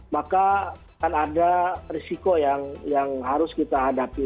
maka akan ada risiko yang harus kita hadapi